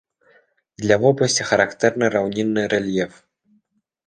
Для вобласці характэрны раўнінны рэльеф.